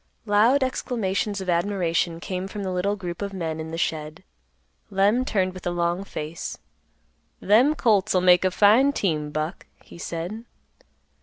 Loud exclamations of admiration came from the little group of men in the shed. Lem turned with a long face, "Them colts 'll make a fine team, Buck;" he said.